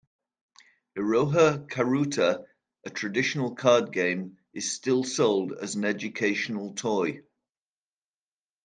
"Iroha karuta", a traditional card game, is still sold as an educational toy.